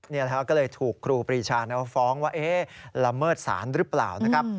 นี่นะครับก็เลยถูกครูปรีชาฟ้องว่าละเมิดสารหรือเปล่านะครับ